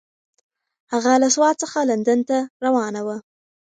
هغه له سوات څخه لندن ته روانه وه.